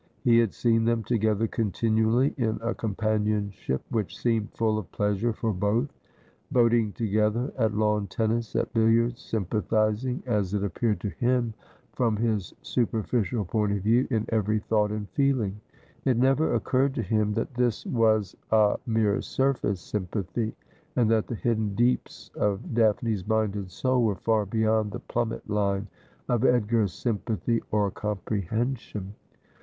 He had seen them together continually, in a companionship which seemed full of pleasure for both : boating together, at lawn tennis,' at billiards, sympathising, as it appeiired to him from his superficial point of view, in every thought and feeling. It never occurred to him that this was a mere surface sympathy, and that the hidden deeps of Daphne's mind and soul were far beyond the plummet line of Edgar's sympathy or comprehension.